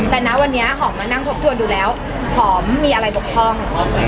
แต่นะวันนี้หอมมานั่งทบทวนดูแล้วหอมมีอะไรบกพร่อง